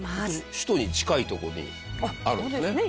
首都に近い所にあるんですね。